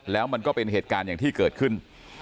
แล้วมันก็เป็นเหตุการณ์อย่างที่เกิดขึ้น